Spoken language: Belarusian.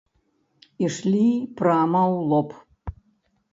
Ішлі прама ў лоб.